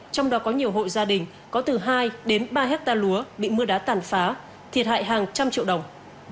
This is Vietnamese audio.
trong đó có nhiều hộ gia đình có từ hai đến ba hectare lúa bị mưa đá tàn phá thiệt hại hàng trăm triệu đồng